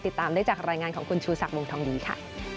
ติดตามได้จากรายงานของคุณชูศักดิ์วงทองดีค่ะ